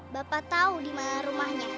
bapak tahu di mana rumahnya